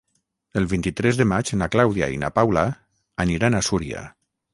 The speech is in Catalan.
El vint-i-tres de maig na Clàudia i na Paula aniran a Súria.